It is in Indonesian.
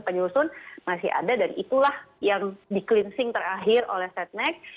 penyusun masih ada dan itulah yang di cleansing terakhir oleh setnek